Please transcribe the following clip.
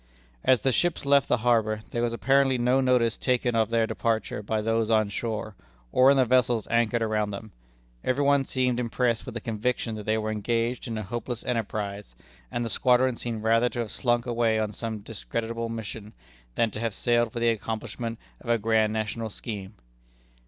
"As the ships left the harbor, there was apparently no notice taken of their departure by those on shore, or in the vessels anchored around them; every one seemed impressed with the conviction that they were engaged in a hopeless enterprise, and the squadron seemed rather to have slunk away on some discreditable mission, than to have sailed for the accomplishment of a grand national scheme."